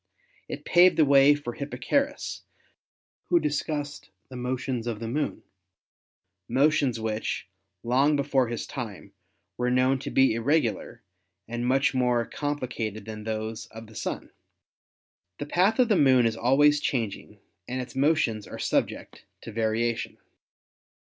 It paved the way for Hipparchus, who discussed the motions of the Moon, motions which, long before his time, were known to be irregular and much more com plicated than those of the Sun. The path of the Moon is always changing and its motions are subject to variation.